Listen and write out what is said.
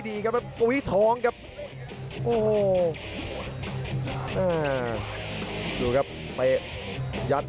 ดาบดำเล่นงานบนเวลาตัวด้วยหันขวา